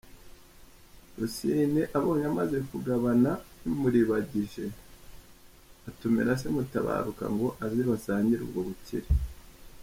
Rwasine abonye amaze kugabana bimuribagije atumira se Mutabaruka ngo aze basangire ubwo bukire.